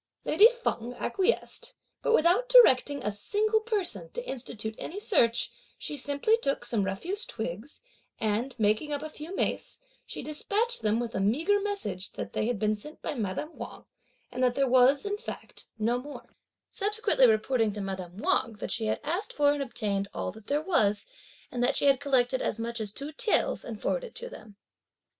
Lady Feng acquiesced; but without directing a single person to institute any search, she simply took some refuse twigs, and making up a few mace, she despatched them with the meagre message that they had been sent by madame Wang, and that there was, in fact, no more; subsequently reporting to madame Wang that she had asked for and obtained all there was and that she had collected as much as two taels, and forwarded it to them.